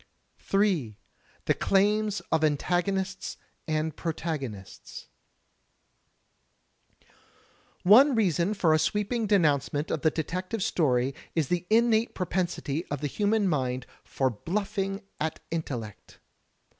J. The Claims of Antagonists and Protagonists One reason for a sweeping denoimcement of the detective story is the innate propensity of the human mind for bluffing at intellect.